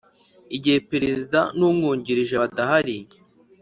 Igihe perezida n umwungirije badahari